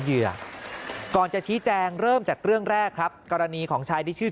เหยื่อก่อนจะชี้แจงเริ่มจากเรื่องแรกครับกรณีของชายที่ชื่อ